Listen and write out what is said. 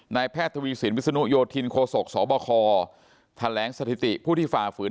แพทย์ทวีสินวิศนุโยธินโคศกสบคแถลงสถิติผู้ที่ฝ่าฝืน